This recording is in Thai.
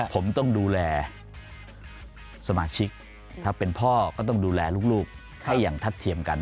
ผมต้องดูแลสมาชิกถ้าเป็นพ่อก็ต้องดูแลลูกให้อย่างทัดเทียมกัน